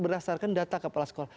berdasarkan data kepala sekolah